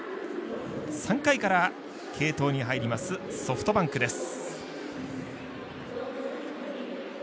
３回から継投に入りますソフトバンクです。